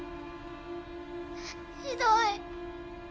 ひどい。